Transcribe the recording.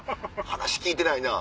話聞いてないな。